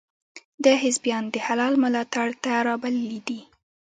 ده حزبیان د هلال ملاتړ ته را بللي دي.